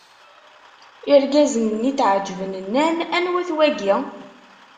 Irgazen-nni tɛeǧǧben, nnan: Anwa-t wagi?